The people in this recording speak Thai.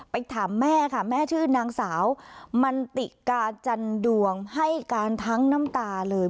ถามแม่ค่ะแม่ชื่อนางสาวมันติกาจันดวงให้การทั้งน้ำตาเลย